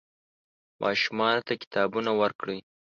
ماشومانو ته کتابونه ورکړئ.